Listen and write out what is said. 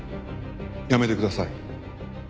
やめてください。